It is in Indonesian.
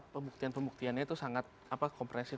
pembuktian pembuktiannya itu sangat komprehensif